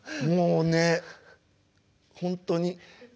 もうね本当に。